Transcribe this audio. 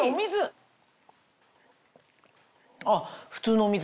あっ普通のお水。